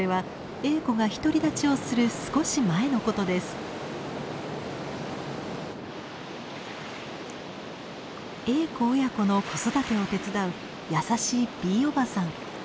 エーコ親子の子育てを手伝う優しいＢおばさん。